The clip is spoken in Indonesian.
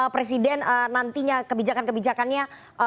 presiden nantinya kebijakan kebijakannya